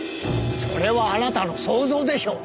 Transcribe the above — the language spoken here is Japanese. それはあなたの想像でしょう。